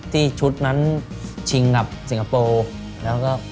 ที่ชุดนั้นชิงกับสิงหาโปร์